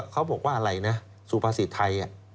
เขาบอกว่าอะไรนะสูปศิษย์ไทย